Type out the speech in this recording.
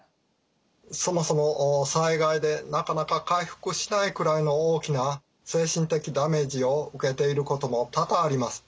そもそも災害でなかなか回復しないくらいの大きな精神的ダメージを受けていることも多々あります。